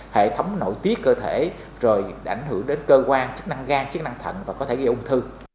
hệ thống nội tiết cơ thể rồi đã ảnh hưởng đến cơ quan chức năng gan chức năng thận và có thể gây ung thư